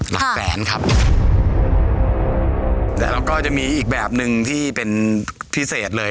หลักแสนครับแล้วก็จะมีอีกแบบหนึ่งที่เป็นพิเศษเลย